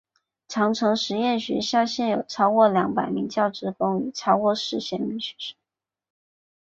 长城实验学校现有超过两百名教职工与超过四千名学生。